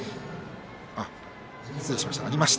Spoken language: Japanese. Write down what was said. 失礼しました。